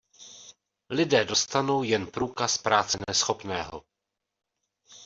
Lidé dostanou jen průkaz práce neschopného.